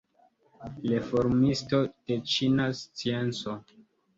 Reformisto de ĉina scienco.